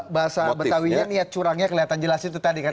bahasa betawinya niat curangnya kelihatan jelas itu tadi kan